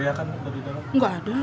tidak ada teriakan dari dalam